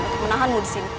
untuk menahanmu disini